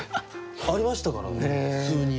ありましたからね普通に。